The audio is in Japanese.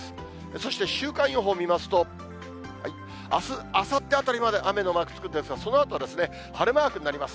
そして週間予報見ますと、あす、あさってあたりまで雨のマークつくんですが、そのあと晴れマークになります。